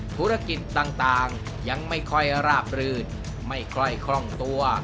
ธุรกิจต่างยังไม่ค่อยราบรื่นไม่ค่อยคล่องตัว